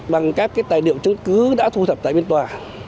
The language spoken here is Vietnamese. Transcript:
bằng các tài liệu chứng cứ đã thu thập tại biên tòa